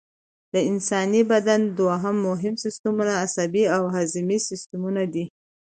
د انساني بدن دوه مهم سیستمونه عصبي او هضمي سیستم دي